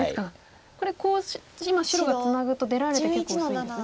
これコウを今白がツナぐと出られて結構薄いんですね。